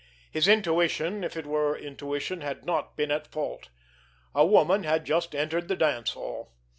His intuition, if it were intuition, had not been at fault. A woman had just entered the dance hall.